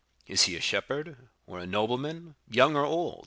Is he a shepherd or a nobleman?—young or old?